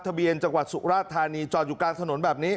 ทะเบียนจังหวัดสุราธานีจอดอยู่กลางถนนแบบนี้